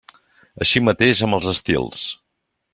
Així mateix amb els estils.